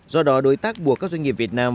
do đó đối tác buộc các doanh nghiệp việt nam